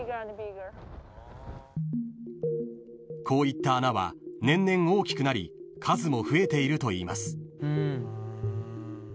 ［こういった穴は年々大きくなり数も増えているといいます］